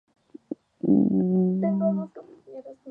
Muy conocidos son sus poemas "Al Mar" y "En los bosques de mi tierra".